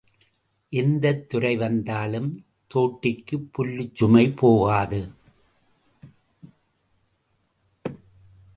எந்தத் துரை வந்தாலும் தோட்டிக்குப் புல்லுச் சுமை போகாது.